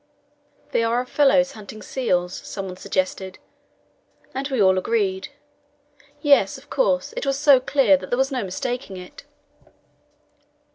They are our fellows hunting seals, someone suggested, and we all agreed. Yes, of course, it was so clear that there was no mistaking it.